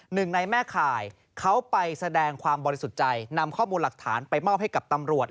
หนึ่งในแม่ข่ายเขาไปแสดงความบริสุทธิ์ใจนำข้อมูลหลักฐานไปมอบให้กับตำรวจ